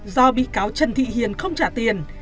do bị cáo trần thị hiền không trả tiền